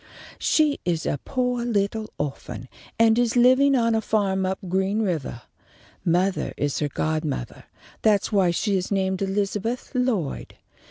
She is a poah little orphan, and is livin' on a farm up Green Rivah. Mother is her godmothah. That's why she is named Elizabeth Lloyd. Mrs.